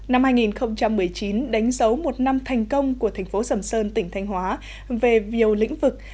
năm hai nghìn một mươi chín đánh dấu một năm thành công của thành phố sầm sơn tỉnh thanh hóa về nhiều lĩnh vực